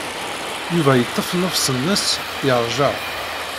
Yuba yeḍḍef nnefs-nnes, yeṛja.